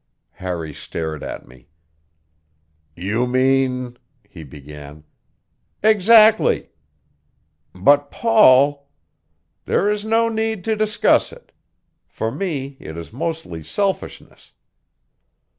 Harry stared at me. "You mean " he began. "Exactly." "But, Paul " "There is no need to discuss it. For me, it is mostly selfishness."